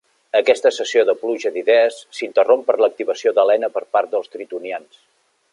Aquesta sessió de pluja d'idees s'interromp per l'activació d'Helena per part dels tritonians.